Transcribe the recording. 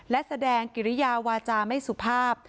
และแสดงกิริยาวาจาไม่สุภาพ